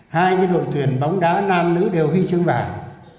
hai đội tuyển bóng đá nam nữ đều huy chương vàng